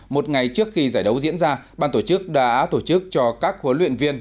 một ngày trước khi giải đấu diễn ra ban tổ chức đã tổ chức cho các huấn luyện viên